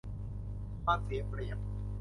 ความเสียเปรียบ